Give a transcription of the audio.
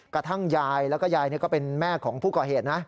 กระทั่งยายแล้วก็ยายก็เป็นแม่ของผู้ก่อเหตุนะ